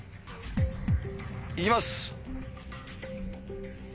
行きます。